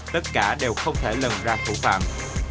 tất cả đều không thể lần ra thủ phạm